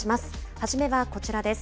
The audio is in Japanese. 初めはこちらです。